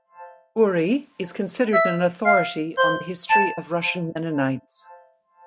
Urry is considered an authority on the history of Russian Mennonites.